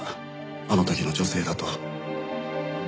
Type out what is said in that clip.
あの時の女性だと。